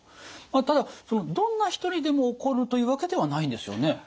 ただどんな人にでも起こるというわけではないんですよね？